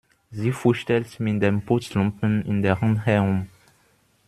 Sie fuchtelt mit dem Putzlumpen in der Hand herum.